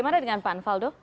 bagaimana dengan pak anfaldo